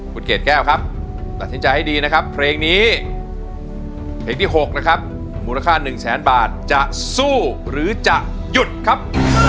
คุณเกดแก้วครับตัดสินใจให้ดีนะครับเพลงนี้เพลงที่๖นะครับมูลค่า๑แสนบาทจะสู้หรือจะหยุดครับ